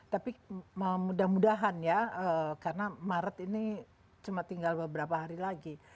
tapi mudah mudahan ya karena maret ini cuma tinggal beberapa hari lagi